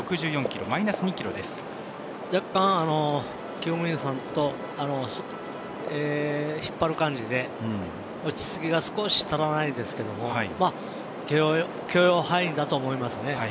きゅう務員さんと引っ張る感じで落ち着きが少し足らないですけども許容範囲だと思います。